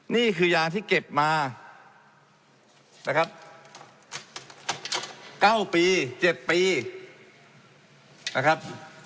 นี่คือยาที่เก็บมานะครับ๙ปี๗ปีนะครับ